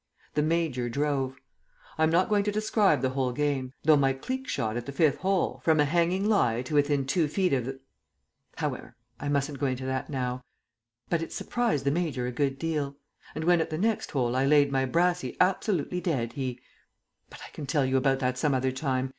The Major drove. I am not going to describe the whole game; though my cleek shot at the fifth hole, from a hanging lie to within two feet of the However, I mustn't go into that now. But it surprised the Major a good deal. And when at the next hole I laid my brassie absolutely dead, he But I can tell you about that some other time.